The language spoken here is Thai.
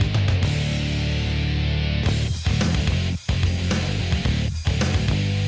ครูครับ